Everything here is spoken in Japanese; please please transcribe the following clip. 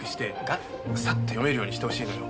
サッて読めるようにしてほしいのよ。